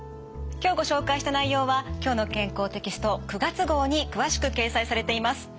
今日ご紹介した内容は「きょうの健康」テキスト９月号に詳しく掲載されています。